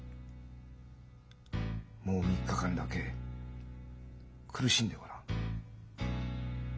もう３日間だけ苦しんでごらん。